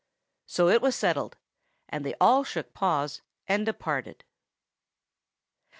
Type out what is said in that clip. So it was settled; and they all shook paws, and departed.